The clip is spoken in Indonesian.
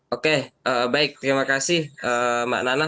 oke baik terima kasih mbak nana